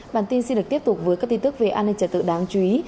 bản tin xin được tiếp tục với các tin tức về an ninh trật tự đáng chú ý